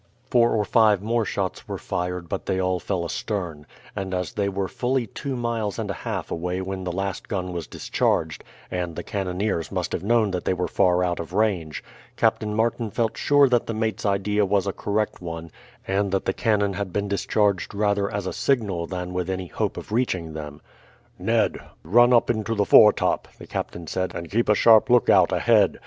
Four or five more shots were fired, but they all fell astern; and as they were fully two miles and a half away when the last gun was discharged, and the cannoneers must have known that they were far out of range, Captain Martin felt sure that the mate's idea was a correct one, and that the cannon had been discharged rather as a signal than with any hope of reaching them. "Ned, run up into the foretop," the captain said, "and keep a sharp lookout ahead.